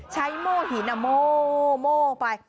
ใช้โม้หินโม้ไป